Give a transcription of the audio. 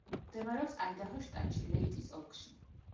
მდებარეობს აიდაჰოს შტატში, ლეიტის ოლქში.